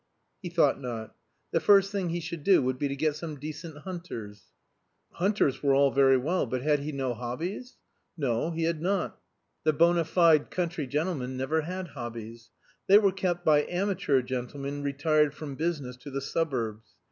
He thought not. The first thing he should do would be to get some decent hunters. Hunters were all very well, but had he no hobbies? No, he had not; the bona fide country gentleman never had hobbies. They were kept by amateur gentlemen retired from business to the suburbs.